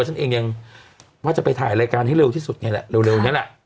ฉันเองยังว่าจะไปถ่ายรายการให้เร็วที่สุดนี่แหละเร็วนี้แหละ